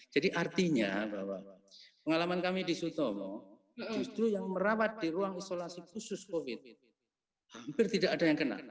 jadi artinya bahwa pengalaman kami di sutomo justru yang merawat di ruang isolasi khusus covid hampir tidak ada yang kena